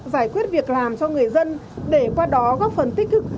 giải quyết việc làm cho người dân để qua đó góp phần tích cực